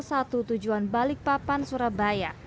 berhubungan balik papan surabaya